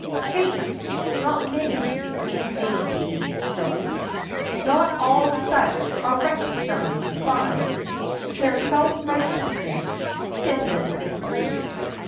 Saints—not many, it may be—tho' Not all such are recognized by Their self righteous, sinless sisters.